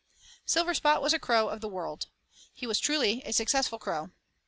Silverspot was a crow of the world. He was truly a successful crow.